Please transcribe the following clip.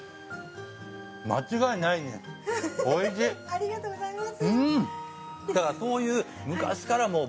ありがとうございます。